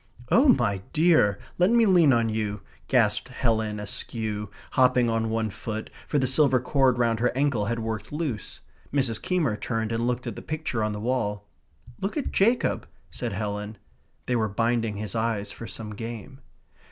"Oh, my dear, let me lean on you," gasped Helen Askew, hopping on one foot, for the silver cord round her ankle had worked loose. Mrs. Keymer turned and looked at the picture on the wall. "Look at Jacob," said Helen (they were binding his eyes for some game).